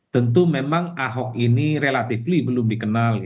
tentu memang ahok ini relatively belum dikenal